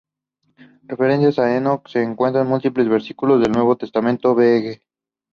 Referencias a Enoc se encuentran en múltiples versículos del Nuevo Testamento v.g.